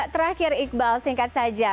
terakhir iqbal singkat saja